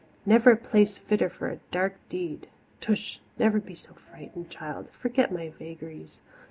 Never was place fitter for a dark deed! Tush! never be so frightened, child forget my vagaries.